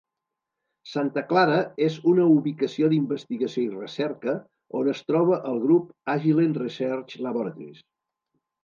Santa Clara és una ubicació d'investigació i recerca, on es troba el grup Agilent Research Laboratories.